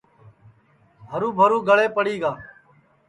ہرُو بھرو گݪے پڑی گا